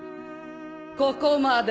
ここまで。